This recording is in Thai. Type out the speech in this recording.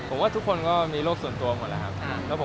ผมว่าทุกคนก็มีโรคส่วนตัวหมดแล้วครับ